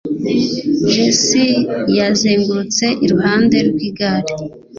Jessie yazengurutse iruhande rw'igare